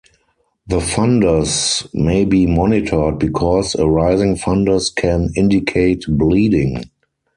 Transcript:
The fundus may be monitored because a rising fundus can indicate bleeding.